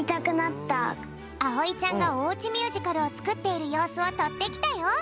あおいちゃんがおうちミュージカルをつくっているようすをとってきたよ。